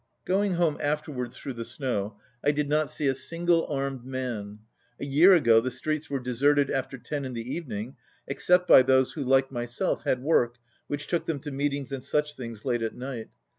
93 Going home afterwards through the snow, I did not see a single armed man. A year ago the streets were deserted after ten in the evening except by those who, like myself, (had work which took them to meetings and such things late at night.